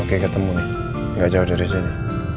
oke ketemu nih gak jauh dari sini